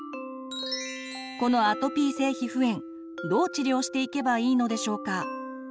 このアトピー性皮膚炎どう治療していけばいいのでしょうか？